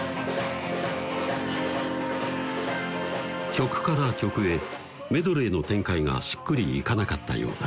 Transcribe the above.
曲から曲へメドレーの展開がしっくりいかなかったようだ